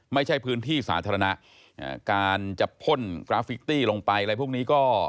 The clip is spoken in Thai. ไม่ใช่พื้นที่สาธารณะการจะพ่นกราฟิกตี้ลงไปอะไรพวกนี้ก็